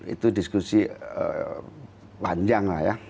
itu diskusi panjang lah ya